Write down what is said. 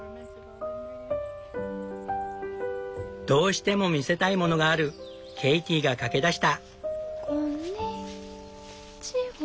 どうしても見せたいものがあるケイティが駆け出した。